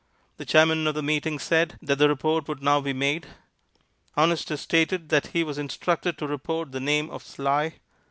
The chairman of the meeting said that the report would now be made. Honestus stated that he was instructed to report the name of Sly.